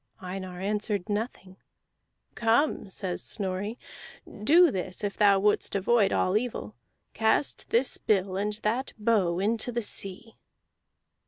Einar answered nothing. "Come," says Snorri, "do this if thou wouldst avoid all evil: cast this bill and that bow into the sea."